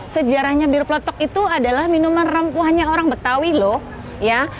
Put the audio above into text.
sejarahnya bir peletop itu adalah minuman rempuh hanya orang betawi loh ya